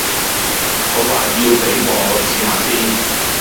我話要畀我試吓先。